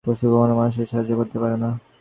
পশু কখনও মানুষকে সাহায্য করতে পারে না।